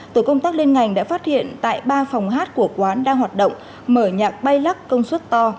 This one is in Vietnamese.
tổ công tác liên ngành đã phát hiện tại ba phòng hát của quán đang hoạt động mở nhạc bay lắc công suất to